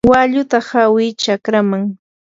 walluta hawi chakraman.